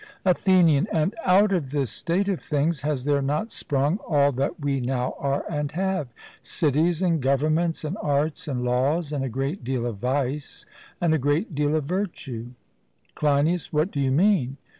ATHENIAN: And out of this state of things has there not sprung all that we now are and have: cities and governments, and arts and laws, and a great deal of vice and a great deal of virtue? CLEINIAS: What do you mean?